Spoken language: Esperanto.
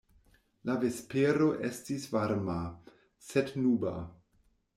La vespero estis varma, sed nuba.